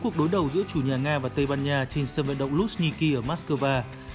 trận đấu giữa chủ nhà nga và tây ban nha trên sân vận động luzhniki ở mắc skơ va